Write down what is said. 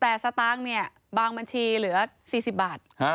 แต่สตางค์เนี่ยบางบัญชีเหลือ๔๐บาท